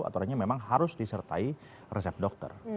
aturannya memang harus disertai resep dokter